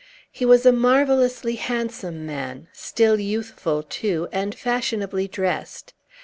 He was a marvellously handsome man, still youthful, too, and fashionably dressed.